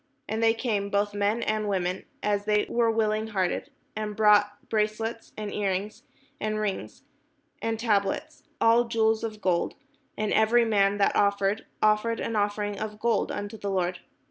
And they came, both men and women, as many as were willing hearted, and brought bracelets, and ear rings, and rings, and tablets, all jewels of gold: and every man that offered offered an offering of gold unto the Lord.